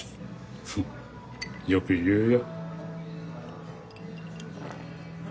ふんよく言うよ。